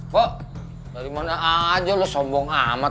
kok dari mana aja lo sombong amat